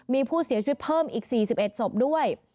มีผู้เสียชีวิตเพิ่มอีก๔๑ศพด้วย